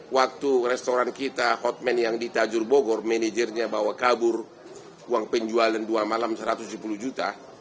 waktu restoran kita hotman yang ditajur bogor manajernya bawa kabur uang penjualan dua malam satu ratus tujuh puluh juta